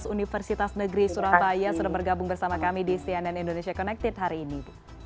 universitas negeri surabaya sudah bergabung bersama kami di cnn indonesia connected hari ini